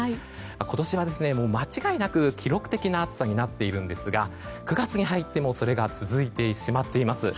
今年は間違いなく、記録的な暑さになっているんですが９月に入ってもそれが続いてしまっています。